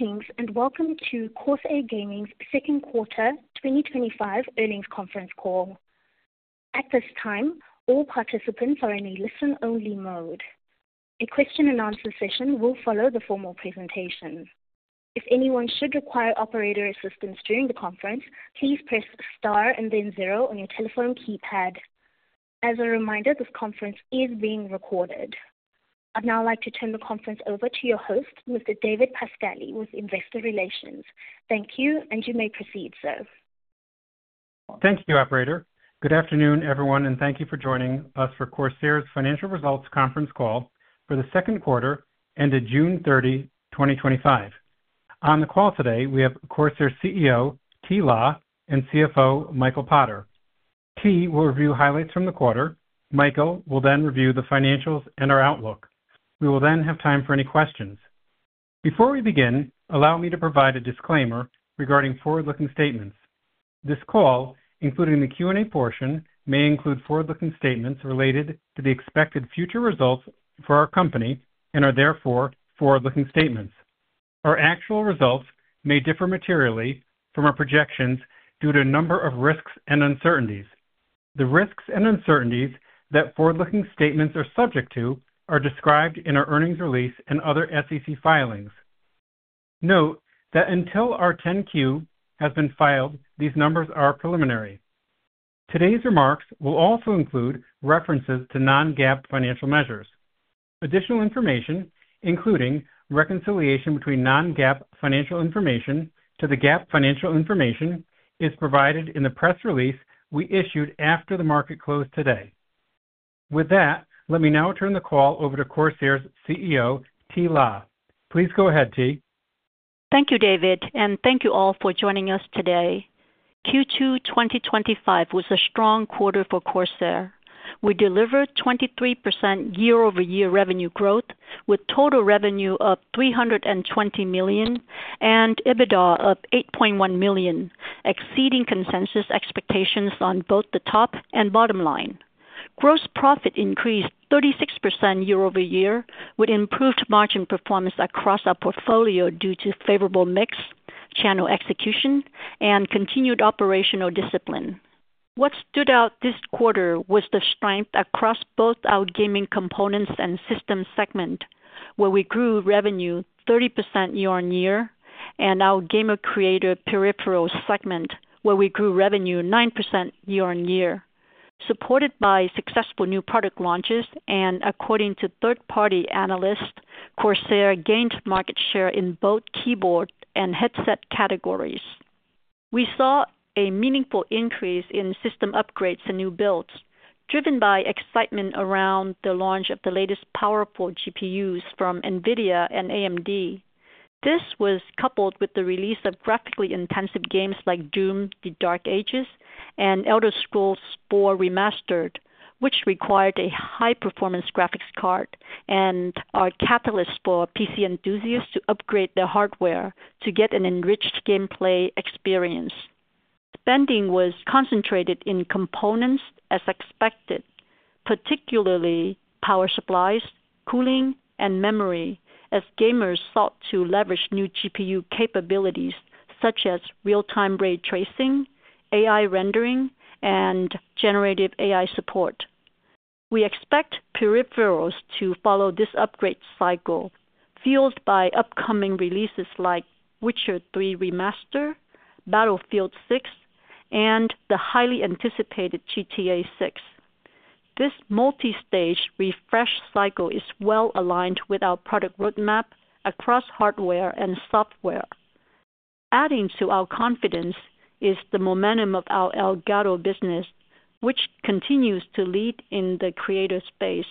morning and welcome to Corsair Gaming's Second Quarter 2025 Earnings Conference Call. At this time, all participants are in a listen-only mode. A question and answer session will follow the formal presentation. If anyone should require operator assistance during the conference, please press star and then zero on your telephone keypad. As a reminder, this conference is being recorded. I'd now like to turn the conference over to your host, Mr. David Pascali, with Investor Relations. Thank you, and you may proceed, sir. Thank you, Operator. Good afternoon, everyone, and thank you for joining us for Corsair Gaming's financial results conference call for the second quarter ended June 30, 2025. On the call today, we have Corsair's CEO, Thi La, and CFO, Michael Potter. Thi will review highlights from the quarter. Michael will then review the financials and our outlook. We will then have time for any questions. Before we begin, allow me to provide a disclaimer regarding forward-looking statements. This call, including the Q&A portion, may include forward-looking statements related to the expected future results for our company and are therefore forward-looking statements. Our actual results may differ materially from our projections due to a number of risks and uncertainties. The risks and uncertainties that forward-looking statements are subject to are described in our earnings release and other SEC filings. Note that until our 10-Q has been filed, these numbers are preliminary. Today's remarks will also include references to non-GAAP financial measures. Additional information, including reconciliation between non-GAAP financial information to the GAAP financial information, is provided in the press release we issued after the market closed today. With that, let me now turn the call over to Corsair Gaming's CEO, Thi La. Please go ahead, Thi. Thank you, David, and thank you all for joining us today. Q2 2025 was a strong quarter for Corsair Gaming. We delivered 23% year-over-year revenue growth, with total revenue of $320 million and EBITDA of $8.1 million, exceeding consensus expectations on both the top and bottom line. Gross profit increased 36% year-over-year with improved margin performance across our portfolio due to favorable mix, channel execution, and continued operational discipline. What stood out this quarter was the strength across both our gaming components and system segment, where we grew revenue 30% year-on-year, and our gamer-creator peripheral segment, where we grew revenue 9% year-on-year. Supported by successful new product launches and according to third-party analysts, Corsair Gaming gained market share in both keyboard and headset categories. We saw a meaningful increase in system upgrades and new builds, driven by excitement around the launch of the latest powerful GPUs from NVIDIA and AMD. This was coupled with the release of graphically intensive games like Doom: The Dark Ages and Elder Scrolls IV: Remastered, which required a high-performance graphics card and are catalysts for PC enthusiasts to upgrade their hardware to get an enriched gameplay experience. Spending was concentrated in components as expected, particularly power supplies, cooling, and memory, as gamers sought to leverage new GPU capabilities such as real-time ray tracing, AI rendering, and generative AI support. We expect peripherals to follow this upgrade cycle, fueled by upcoming releases like Witcher 3 Remastered, Battlefield 6, and the highly anticipated GTA 6. This multi-stage refresh cycle is well aligned with our product roadmap across hardware and software. Adding to our confidence is the momentum of our Elgato business, which continues to lead in the creator space.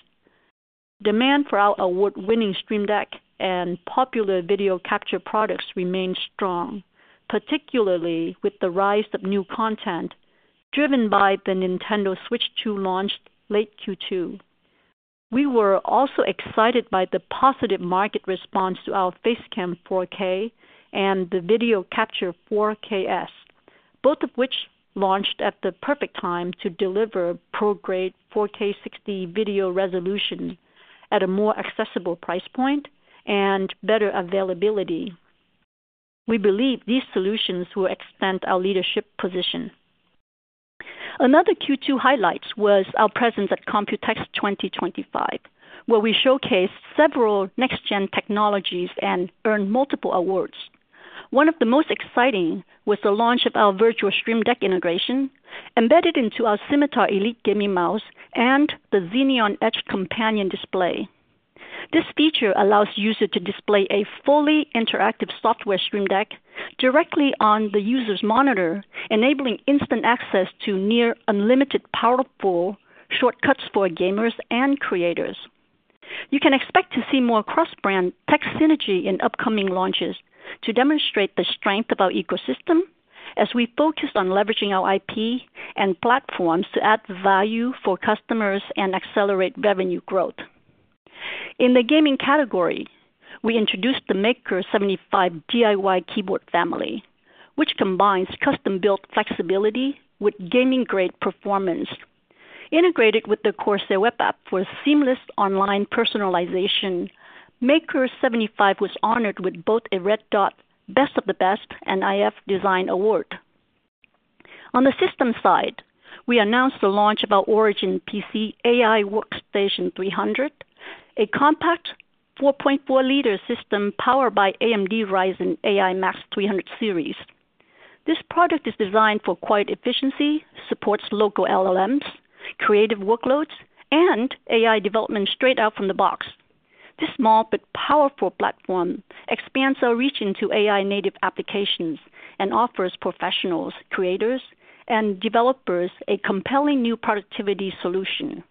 Demand for our award-winning Elgato stream deck and popular video capture products remains strong, particularly with the rise of new content driven by the Nintendo Switch 2 launch late Q2. We were also excited by the positive market response to our Facecam 4K and the Video Capture 4KS, both of which launched at the perfect time to deliver pro-grade 4K60 video resolution at a more accessible price point and better availability. We believe these solutions will extend our leadership position. Another Q2 highlight was our presence at Computex 2025, where we showcased several next-gen technologies and earned multiple awards. One of the most exciting was the launch of our virtual stream deck integration embedded into our Scimitar Elite gaming mouse and the Xenon Edge Companion Display. This feature allows users to display a fully interactive software stream deck directly on the user's monitor, enabling instant access to near-unlimited powerful shortcuts for gamers and creators. You can expect to see more cross-brand tech synergy in upcoming launches to demonstrate the strength of our ecosystem, as we focus on leveraging our IP and platforms to add value for customers and accelerate revenue growth. In the gaming category, we introduced the Maker 75 DIY keyboard family, which combines custom-built flexibility with gaming-grade performance. Integrated with the Corsair web app for seamless online personalization, Maker 75 was honored with both a Red Dot: Best of the Best and IF Design Award. On the system side, we announced the launch of our Origin PC AI Workstation 300, a compact 4.4 L system powered by AMD Ryzen AI Max 300 series. This product is designed for quiet efficiency, supports local LLMs, creative workloads, and AI development straight out from the box. This small but powerful platform expands our reach into AI-native applications and offers professionals, creators, and developers a compelling new productivity solution.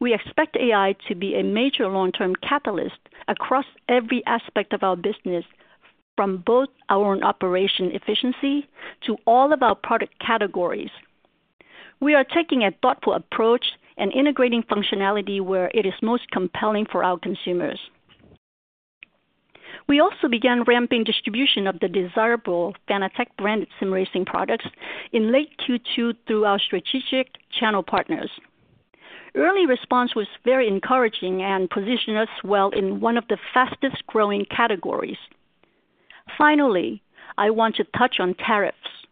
We expect AI to be a major long-term catalyst across every aspect of our business, from both our own operation efficiency to all of our product categories. We are taking a thoughtful approach and integrating functionality where it is most compelling for our consumers. We also began ramping distribution of the desirable Fanatec-branded sim racing products in late Q2 through our strategic channel partners. Early response was very encouraging and positioned us well in one of the fastest growing categories. Finally, I want to touch on tariffs.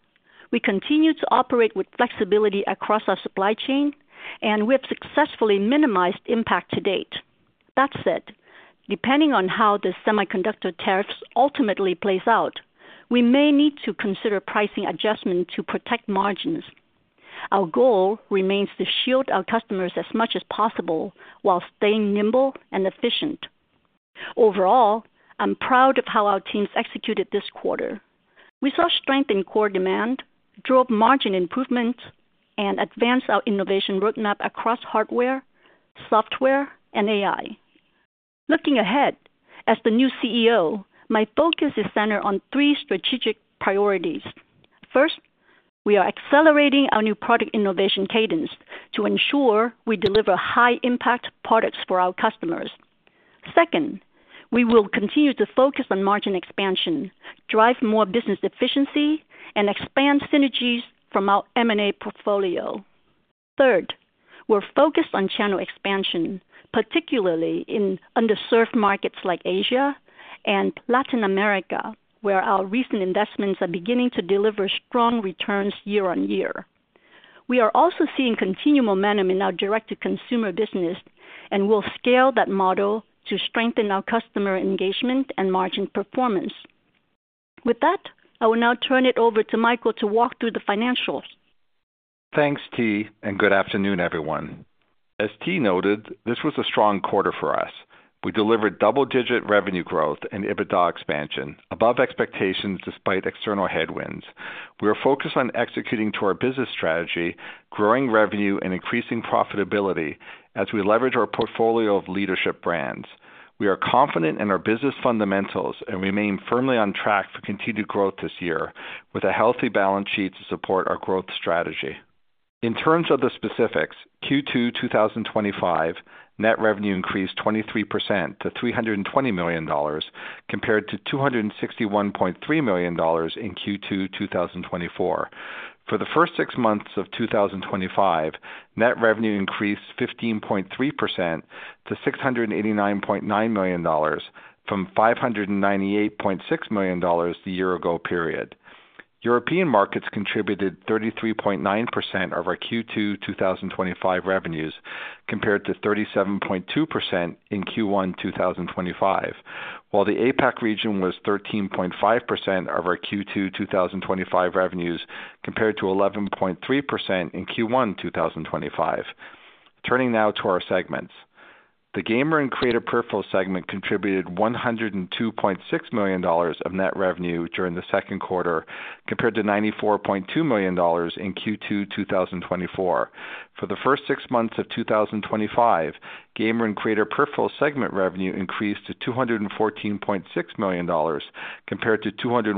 We continue to operate with flexibility across our supply chain, and we have successfully minimized impact to date. That said, depending on how the semiconductor tariffs ultimately play out, we may need to consider pricing adjustments to protect margins. Our goal remains to shield our customers as much as possible while staying nimble and efficient. Overall, I'm proud of how our teams executed this quarter. We saw strength in core demand, drove margin improvements, and advanced our innovation roadmap across hardware, software, and AI. Looking ahead, as the new CEO, my focus is centered on three strategic priorities. First, we are accelerating our new product innovation cadence to ensure we deliver high-impact products for our customers. Second, we will continue to focus on margin expansion, drive more business efficiency, and expand synergies from our M&A portfolio. Third, we're focused on channel expansion, particularly in underserved markets like Asia and Latin America, where our recent investments are beginning to deliver strong returns year-on-year. We are also seeing continued momentum in our direct-to-consumer business and will scale that model to strengthen our customer engagement and margin performance. With that, I will now turn it over to Michael Potter to walk through the financials. Thanks, Thi, and good afternoon, everyone. As Thi noted, this was a strong quarter for us. We delivered double-digit revenue growth and EBITDA expansion above expectations despite external headwinds. We are focused on executing to our business strategy, growing revenue, and increasing profitability as we leverage our portfolio of leadership brands. We are confident in our business fundamentals and remain firmly on track for continued growth this year with a healthy balance sheet to support our growth strategy. In terms of the specifics, Q2 2025 net revenue increased 23% to $320 million compared to $261.3 million in Q2 2024. For the first six months of 2025, net revenue increased 15.3% to $689.9 million from $598.6 million in the year-ago period. European markets contributed 33.9% of our Q2 2025 revenues compared to 37.2% in Q1 2025, while the APAC region was 13.5% of our Q2 2025 revenues compared to 11.3% in Q1 2025. Turning now to our segments, the gamer and creator peripheral segment contributed $102.6 million of net revenue during the second quarter compared to $94.2 million in Q2 2024. For the first six months of 2025, gamer and creator peripheral segment revenue increased to $214.6 million compared to $201.2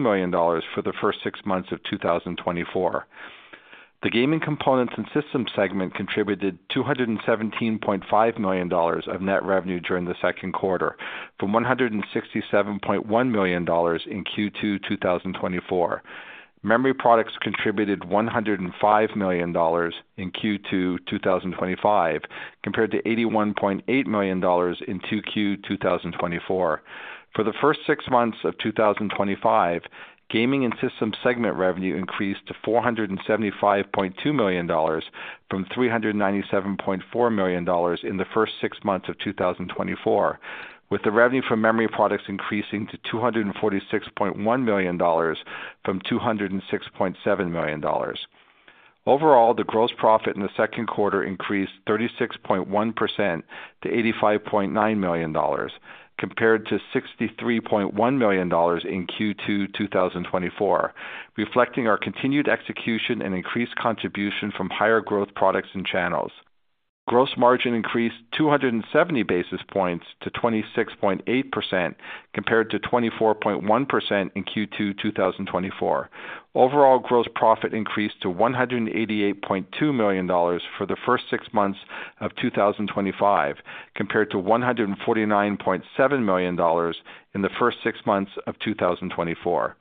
million for the first six months of 2024. The gaming components and systems segment contributed $217.5 million of net revenue during the second quarter, from $167.1 million in Q2 2024. Memory products contributed $105 million in Q2 2025 compared to $81.8 million in Q2 2024. For the first six months of 2025, gaming and systems segment revenue increased to $475.2 million from $397.4 million in the first six months of 2024, with the revenue from memory products increasing to $246.1 million from $206.7 million. Overall, the gross profit in the second quarter increased 36.1% to $85.9 million compared to $63.1 million in Q2 2024, reflecting our continued execution and increased contribution from higher growth products and channels. Gross margin increased 270 basis points to 26.8% compared to 24.1% in Q2 2024. Overall gross profit increased to $188.2 million for the first six months of 2025 compared to $149.7 million in the first six months of 2024.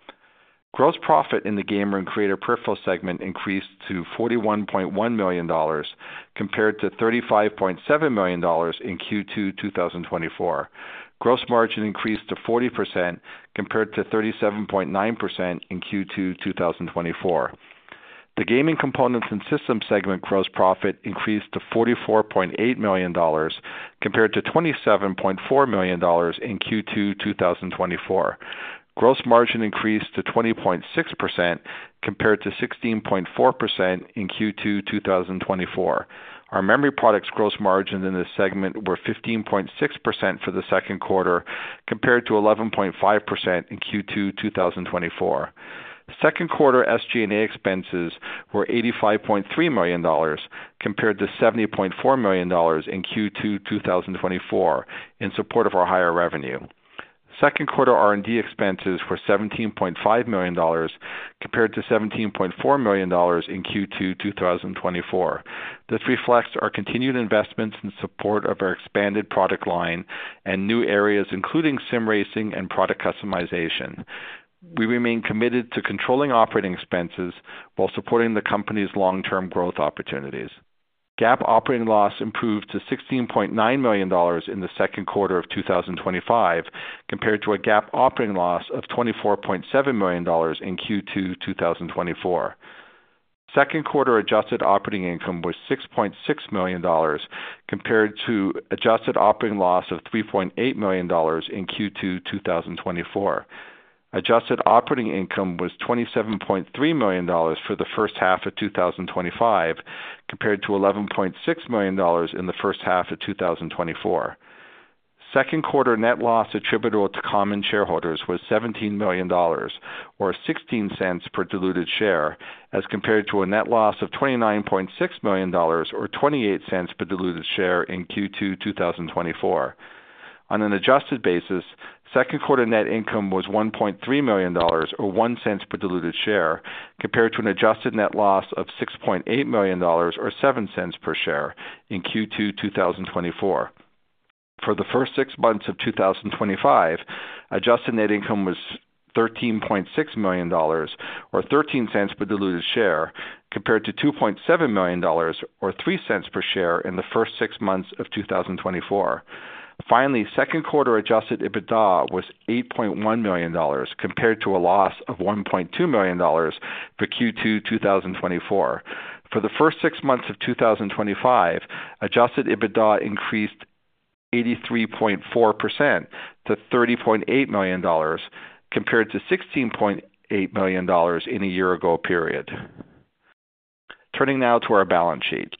Gross profit in the gamer and creator peripheral segment increased to $41.1 million compared to $35.7 million in Q2 2024. Gross margin increased to 40% compared to 37.9% in Q2 2024. The gaming components and systems segment gross profit increased to $44.8 million compared to $27.4 million in Q2 2024. Gross margin increased to 20.6% compared to 16.4% in Q2 2024. Our memory products gross margins in this segment were 15.6% for the second quarter compared to 11.5% in Q2 2024. Second quarter SG&A expenses were $85.3 million compared to $70.4 million in Q2 2024 in support of our higher revenue. Second quarter R&D expenses were $17.5 million compared to $17.4 million in Q2 2024. This reflects our continued investments in support of our expanded product line and new areas, including sim racing and product customization. We remain committed to controlling operating expenses while supporting the company's long-term growth opportunities. GAAP operating loss improved to $16.9 million in the second quarter of 2025 compared to a GAAP operating loss of $24.7 million in Q2 2024. Second quarter adjusted operating income was $6.6 million compared to an adjusted operating loss of $3.8 million in Q2 2024. Adjusted operating income was $27.3 million for the first half of 2025 compared to $11.6 million in the first half of 2024. Second quarter net loss attributable to common shareholders was $17 million, or $0.16 per diluted share, as compared to a net loss of $29.6 million, or $0.28 per diluted share in Q2 2024. On an adjusted basis, second quarter net income was $1.3 million, or $0.01 per diluted share, compared to an adjusted net loss of $6.8 million, or $0.07 per share in Q2 2024. For the first six months of 2025, adjusted net income was $13.6 million, or $0.13 per diluted share, compared to $2.7 million, or $0.03 per share in the first six months of 2024. Finally, second quarter adjusted EBITDA was $8.1 million, compared to a loss of $1.2 million for Q2 2024. For the first six months of 2025, adjusted EBITDA increased 83.4% to $30.8 million, compared to $16.8 million in a year-ago period. Turning now to our balance sheet,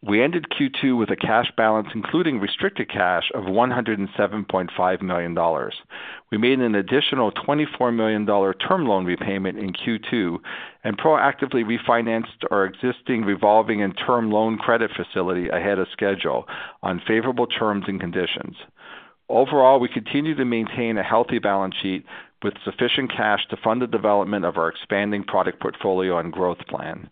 we ended Q2 with a cash balance including restricted cash of $107.5 million. We made an additional $24 million term loan repayment in Q2 and proactively refinanced our existing revolving and term loan credit facility ahead of schedule on favorable terms and conditions. Overall, we continue to maintain a healthy balance sheet with sufficient cash to fund the development of our expanding product portfolio and growth plan.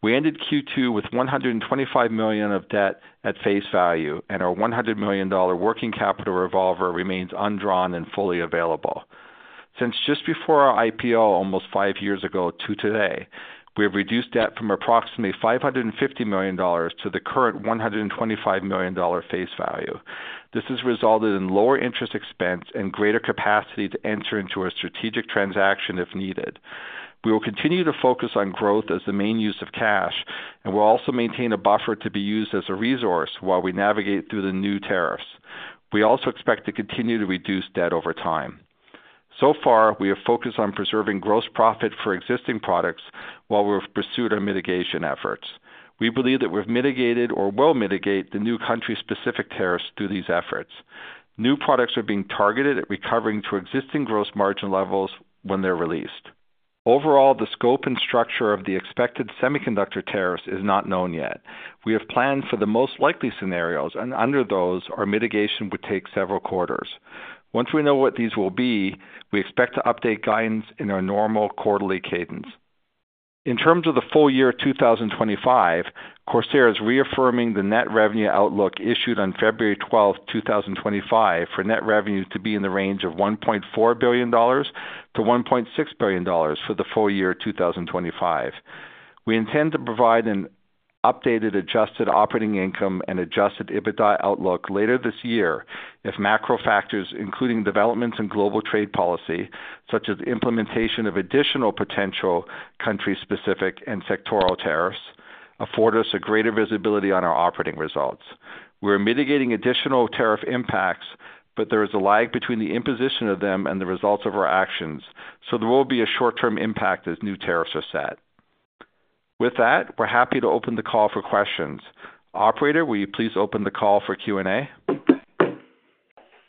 We ended Q2 with $125 million of debt at face value, and our $100 million working capital revolver remains undrawn and fully available. Since just before our IPO almost five years ago to today, we have reduced debt from approximately $550 million to the current $125 million face value. This has resulted in lower interest expense and greater capacity to enter into a strategic transaction if needed. We will continue to focus on growth as the main use of cash, and we'll also maintain a buffer to be used as a resource while we navigate through the new tariffs. We also expect to continue to reduce debt over time. We have focused on preserving gross profit for existing products while we've pursued our mitigation efforts. We believe that we've mitigated or will mitigate the new country-specific tariffs through these efforts. New products are being targeted at recovering to existing gross margin levels when they're released. Overall, the scope and structure of the expected semiconductor tariffs is not known yet. We have plans for the most likely scenarios, and under those, our mitigation would take several quarters. Once we know what these will be, we expect to update guidance in our normal quarterly cadence. In terms of the full year 2025, Corsair is reaffirming the net revenue outlook issued on February 12th, 2025, for net revenues to be in the range of $1.4 billion-$1.6 billion for the full year 2025. We intend to provide an updated adjusted operating income and adjusted EBITDA outlook later this year if macro factors, including developments in global trade policy, such as the implementation of additional potential country-specific and sectoral tariffs, afford us greater visibility on our operating results. We are mitigating additional tariff impacts, but there is a lag between the imposition of them and the results of our actions, so there will be a short-term impact as new tariffs are set. With that, we're happy to open the call for questions. Operator, will you please open the call for Q&A?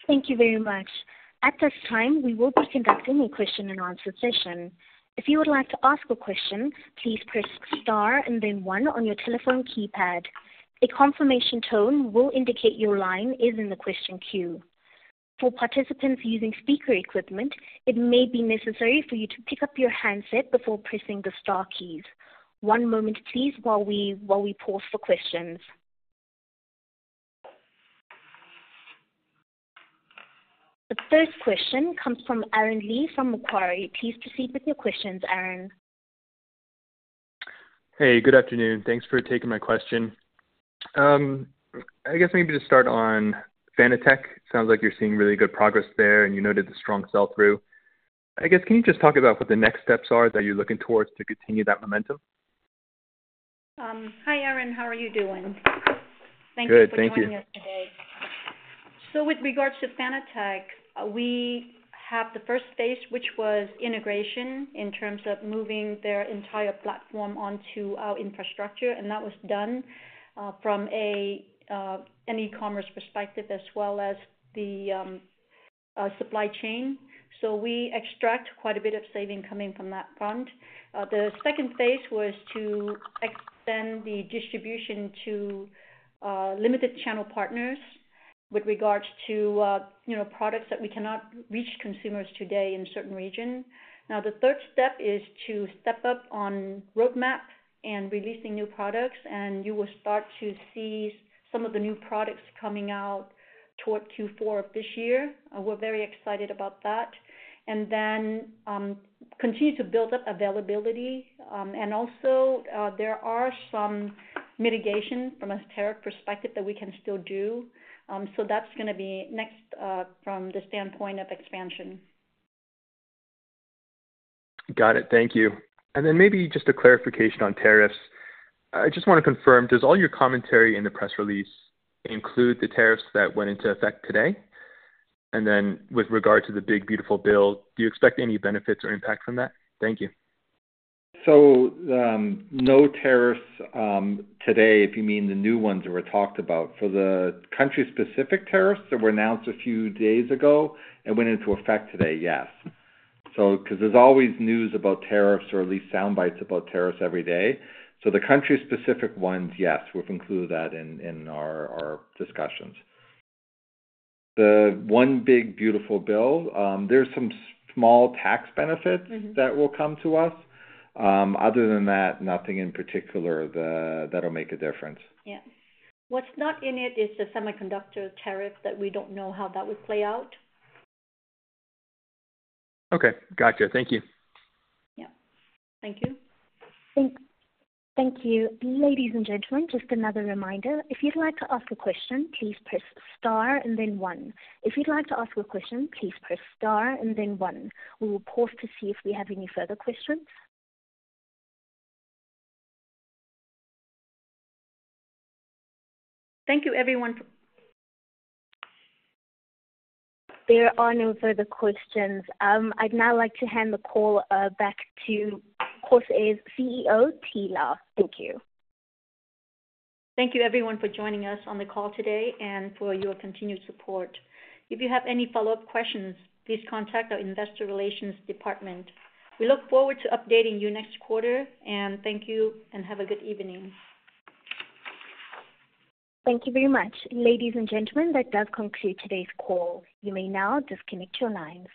Thank you very much. At this time, we will be conducting a question and answer session. If you would like to ask a question, please press star and then one on your telephone keypad. A confirmation tone will indicate your line is in the question queue. For participants using speaker equipment, it may be necessary for you to pick up your handset before pressing the star keys. One moment, please, while we pause for questions. The first question comes from Aaron Lee from Macquarie. Please proceed with your questions, Aaron. Hey, good afternoon. Thanks for taking my question. I guess maybe to start on Fanatec, it sounds like you're seeing really good progress there, and you noted the strong sell-through. I guess, can you just talk about what the next steps are that you're looking towards to continue that momentum? Hi, Aaron. How are you doing? Thanks for joining us today. Good, thank you. With regards to Fanatec, we have the first stage, which was integration in terms of moving their entire platform onto our infrastructure, and that was done from an e-commerce perspective as well as the supply chain. We extract quite a bit of saving coming from that front. The second phase was to extend the distribution to limited channel partners with regards to products that we cannot reach consumers today in certain regions. Now, the third step is to step up on roadmap and releasing new products, and you will start to see some of the new products coming out toward Q4 of this year. We're very excited about that. Then continue to build up availability. Also, there are some mitigations from a tariff perspective that we can still do. That's going to be next from the standpoint of expansion. Got it. Thank you. Maybe just a clarification on tariffs. I just want to confirm, does all your commentary in the press release include the tariffs that went into effect today? With regard to the big beautiful bill, do you expect any benefits or impact from that? Thank you. No tariffs today, if you mean the new ones that were talked about. For the country-specific tariffs that were announced a few days ago and went into effect today, yes. There is always news about tariffs or at least sound bites about tariffs every day. The country-specific ones, yes, we've included that in our discussions. The one big beautiful bill, there are some small tax benefits that will come to us. Other than that, nothing in particular that'll make a difference. Yeah, what's not in it is the semiconductor tariffs that we don't know how that would play out. Okay. Gotcha. Thank you. Thank you. Thank you. Ladies and gentlemen, just another reminder, if you'd like to ask a question, please press star and then one. If you'd like to ask a question, please press star and then one. We will pause to see if we have any further questions. Thank you, everyone. There are no further questions. I'd now like to hand the call back to Corsair Gaming's CEO, Thi La. Thank you. Thank you, everyone, for joining us on the call today and for your continued support. If you have any follow-up questions, please contact our investor relations department. We look forward to updating you next quarter, and thank you and have a good evening. Thank you very much. Ladies and gentlemen, that does conclude today's call. You may now disconnect your lines.